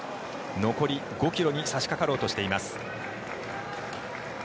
残り５ｋｍに差しかかろうとしています。